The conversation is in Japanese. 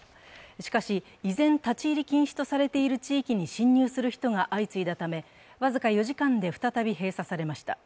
しかし、依然立ち入り禁止とされている地域に侵入する人が相次いだため、僅か４時間で再び閉鎖されました。